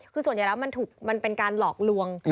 คือส่วนใหญ่แล้วมันเป็นการหลอกลวง